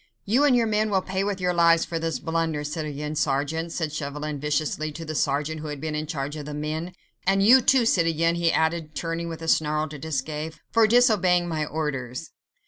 "You and your men will pay with your lives for this blunder, citoyen sergeant," said Chauvelin viciously to the sergeant who had been in charge of the men; "and you, too, citoyen," he added, turning with a snarl to Desgas, "for disobeying my orders."